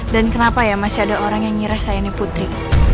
dan kenapa ya masih ada orang yang ngira saya ini putri